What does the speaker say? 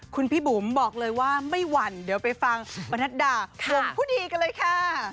คุณพี่บุ๋มบอกเลยว่าไม่หวั่นเดี๋ยวไปฟังปนัดดาวงผู้ดีกันเลยค่ะ